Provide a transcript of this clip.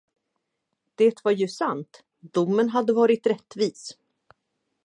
Det var ju sant, domen hade varit rättvis.